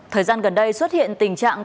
thời gian gần đây xuất hiện tình trạng